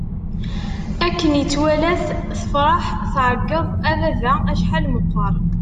Akken i tt-walat, tefṛeḥ, tɛeggeḍ: A baba! Acḥal meqqeṛ!